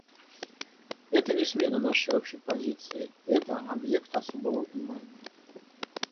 Это не смена нашей общей позиции; это — объект особого внимания.